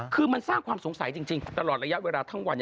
คือมันสร้างความสงสัยจริงตลอดระยะเวลาทั้งวัน